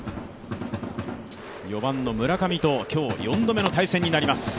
４番の村上と今日、４度目の対戦になります。